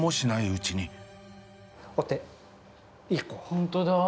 本当だ！